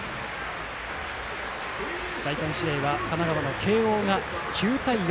第３試合は神奈川の慶応が９対４